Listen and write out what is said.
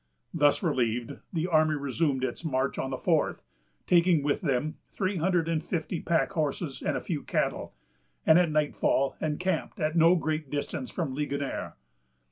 Thus relieved, the army resumed its march on the fourth, taking with them three hundred and fifty pack horses and a few cattle, and at nightfall encamped at no great distance from Ligonier.